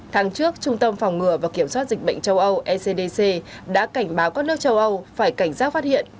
tháng trước trung tâm phòng ngừa và kiểm soát dịch bệnh châu âu ecdc đã cảnh báo các nước châu âu phải cảnh giác phát hiện